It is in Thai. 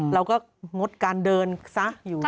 เราก็งดการเดินสักอยู่นั่ง